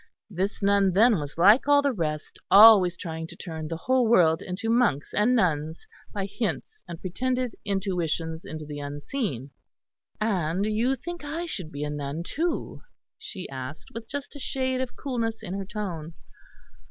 This nun then was like all the rest, always trying to turn the whole world into monks and nuns by hints and pretended intuitions into the unseen. "And you think I should be a nun too?" she asked, with just a shade of coolness in her tone.